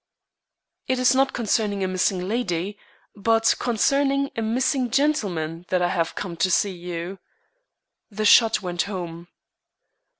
"It is not concerning a missing lady, but concerning a missing gentleman that I have come to see you." The shot went home.